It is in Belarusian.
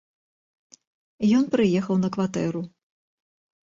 Ён прыехаў на кватэру.